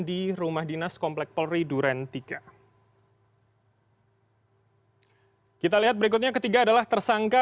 di rumah dinas kompleks mari duren tiga pada hai kita lihat berikutnya ketiga adalah tersangka